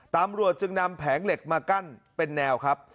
ตำรวจจึงนำแผงเหล็กมากั้นเป็นแนวครับ